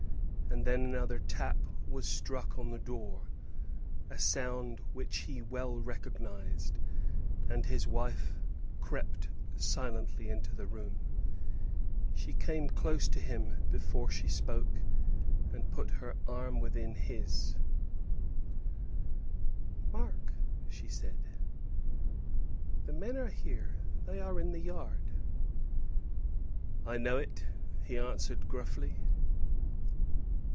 And then another tap was struck on the door, a sound which he well recognized, and his wife crept silently into the room. She came close up to him before she spoke, and put her arm within his: "Mark," she said, "the men are here; they are in the yard." [Illustration: "Mark," she said, "the men are here."] "I know it," he answered gruffly.